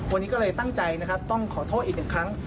วันนี้ก็เลยตั้งใจนะครับต้องขอโทษอีกหนึ่งครั้ง